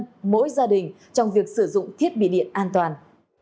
sẽ là những thông tin hữu ích với mỗi người dân mỗi gia đình trong việc sử dụng thiết bị điện an toàn